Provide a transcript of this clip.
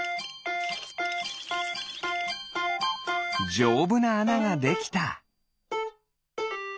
じょうぶなあなができた。